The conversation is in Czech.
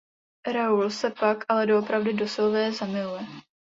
Raúl se pak ale doopravdy do Silvie zamiluje.